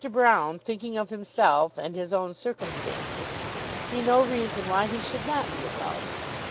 Broune, thinking of himself and his own circumstances, could see no reason why he should not be in love.